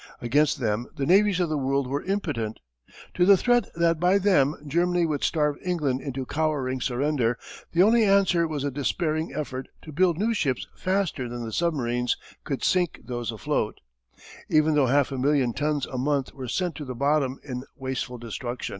Against them the navies of the world were impotent. To the threat that by them Germany would starve England into cowering surrender, the only answer was the despairing effort to build new ships faster than the submarines could sink those afloat even though half a million tons a month were sent to the bottom in wasteful destruction.